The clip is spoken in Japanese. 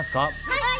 はい。